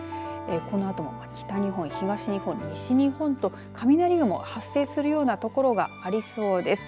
このあとも北日本、東日本西日本と雷雲が発生するような所がありそうです。